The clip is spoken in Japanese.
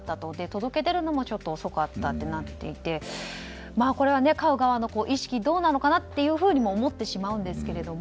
届け出るのもちょっと遅かったとなっていてこれは、飼う側の意識はどうなのかなとも思ってしまうんですが。